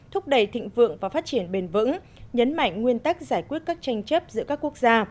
thúc đẩy thịnh vượng và phát triển bền vững nhấn mạnh nguyên tắc giải quyết các tranh chấp giữa các quốc gia